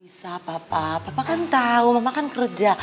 bisa papa papa kan tau mama kan kerja